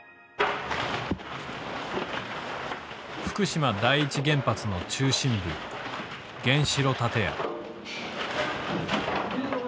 福島第一原発の中心部原子炉建屋。